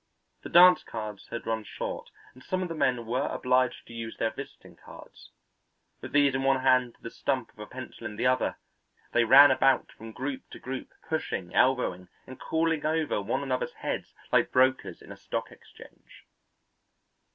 The dance cards had run short and some of the men were obliged to use their visiting cards; with these in one hand and the stump of a pencil in the other, they ran about from group to group, pushing, elbowing, and calling over one another's heads like brokers in a stock exchange.